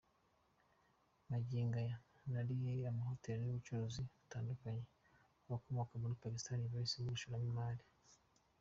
Magingo aya hari amahoteri n’ubucuruzi butandukanye abakomoka muri Pakisitani bahisemo gushoramo imari.